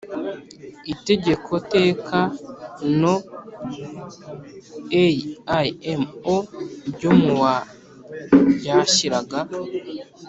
Itegeko teka no A I M O ryo mu wa ryashyiraga